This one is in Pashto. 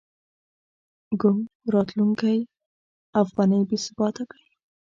ګونګ راتلونکی افغانۍ بې ثباته کړې.